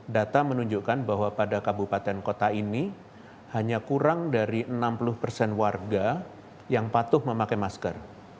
data menunjukkan bahwa pada kabupaten kota ini hanya kurang dari enam puluh persen warga yang patuh memakai masker